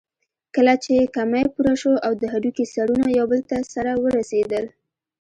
کله چې کمى پوره شو او د هډوکي سرونه يو بل ته سره ورسېدل.